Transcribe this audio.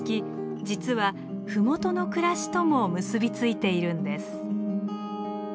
実は麓の暮らしとも結び付いているんです。